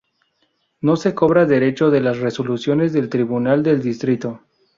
No se cobra derecho de las resoluciones del Tribunal del Distrito.